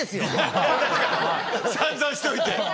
散々しといて。